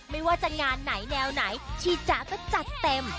ไม่ว่าจะงานไหนแนวไหนที่จ๊ะก็จัดเต็ม